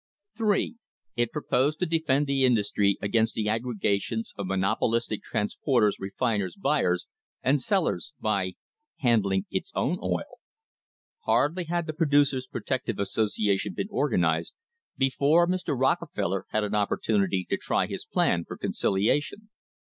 (3) It proposed "to defend the industry against the aggre gations of monopolistic transporters, refiners, buyers and sellers" by handling its own oil. Hardly had the Producers' Protective Association been organised before Mr. Rockefeller had an opportunity to try his plan for conciliation.